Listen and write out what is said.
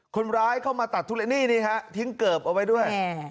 คนร้ายเข้ามาตัดทุเรียนนี่นี่ฮะทิ้งเกิบเอาไว้ด้วย